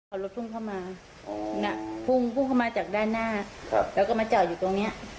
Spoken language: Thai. เอารถพุ่งเข้ามาพุ่งเข้ามาจากด้านหน้าแล้วก็มาเจาะอยู่ตรงนี้